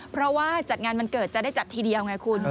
เพราะว่าจัดงานวันเกิดจะได้จัดทีเดียวไงคุณ